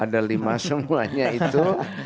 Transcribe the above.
ada lima semuanya itu